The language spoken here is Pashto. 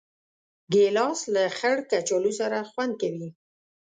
ګیلاس له خړ کچالو سره خوند کوي.